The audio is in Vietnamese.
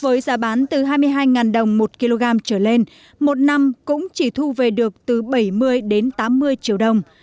với giá bán từ hai mươi hai đồng một kg trở lên một năm cũng chỉ thu về được từ bảy mươi đến tám mươi triệu đồng